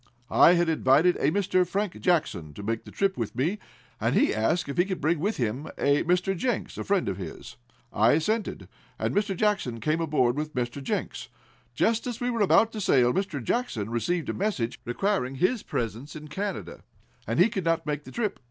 I had invited a Mr. Frank Jackson to make the trip with me, and he asked if he could bring with him a Mr. Jenks, a friend of his. I assented, and Mr. Jackson came aboard with Mr. Jenks. Just as we were about to sail Mr. Jackson received a message requiring his presence in Canada, and he could not make the trip."